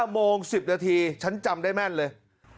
โมง๑๐นาทีฉันจำได้แม่นเลย